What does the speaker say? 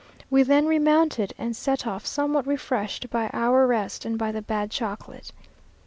We then remounted and set off somewhat refreshed by our rest and by the bad chocolate.